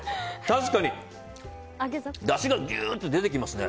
確かにだしがギュッと出てきますね。